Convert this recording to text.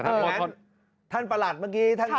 แต่ท่านประหลัดเมื่อกี้